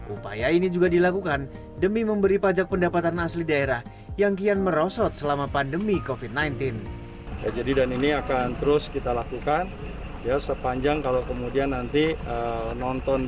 upaya ini juga dilakukan demi memberi pajak pendapatan asli daerah yang kian merosot selama perjalanan